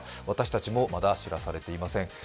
私たちもまだ知らされていません。